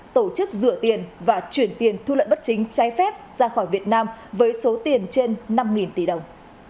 tổ chức rửa tiền và chuyển tiền thu lợi bất chính trái phép ra khỏi việt nam với số tiền trên năm tỷ đồng